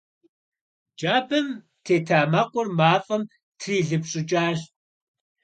Джабэм тета мэкъур мафӀэм трилыпщӀыкӀащ.